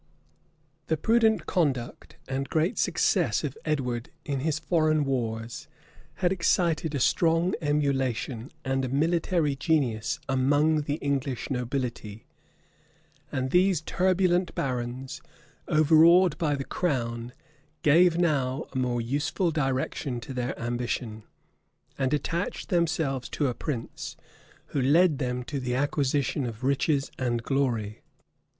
} THE prudent conduct and great success of Edward in his foreign wars had excited a strong emulation and a military genius among the English nobility; and these turbulent barons, overawed by the crown, gave now a more useful direction to their ambition, and attached themselves to a prince who led them to the acquisition of riches and of glory.